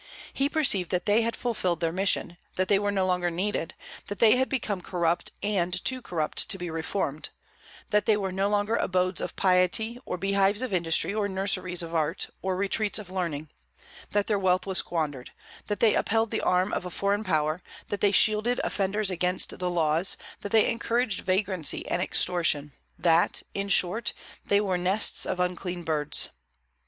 He perceived that they had fulfilled their mission; that they were no longer needed; that they had become corrupt, and too corrupt to be reformed; that they were no longer abodes of piety, or beehives of industry, or nurseries of art, or retreats of learning; that their wealth was squandered; that they upheld the arm of a foreign power; that they shielded offenders against the laws; that they encouraged vagrancy and extortion; that, in short, they were nests of unclean birds.